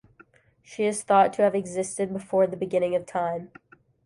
She is thought to have existed before the beginning of time.